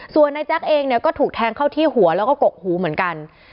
ส่วนนายแจ๊กเองเนี่ยก็ถูกแทงเข้าที่หัวแล้วก็กกหูเหมือนกัน